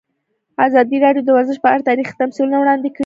ازادي راډیو د ورزش په اړه تاریخي تمثیلونه وړاندې کړي.